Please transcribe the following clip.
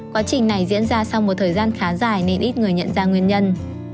quá trình này diễn ra sau một thời gian khá dài nên ít người nhận ra nguyên nhân